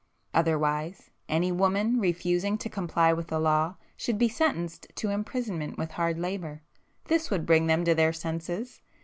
Otherwise, any woman refusing to comply with the law should be sentenced to imprisonment with hard labour. This would bring them to their senses.